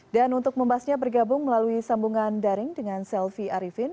dan untuk membahasnya bergabung melalui sambungan daring dengan selvi arifin